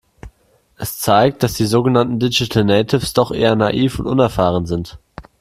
Es zeigt, dass die sogenannten Digital Natives doch eher naiv und unerfahren sind.